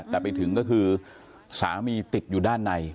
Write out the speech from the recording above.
แต่ไปถึงก็คือสามีติดอยู่ด้านใน